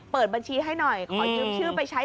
เปิดบัญชีให้หน่อยขอยืมชื่อไปใช้